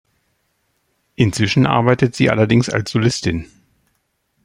Inzwischen arbeitet sie allerdings als Solistin.